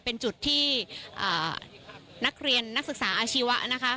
เป็นจุดที่นักเรียนนักศึกษาอาชีวะนะคะ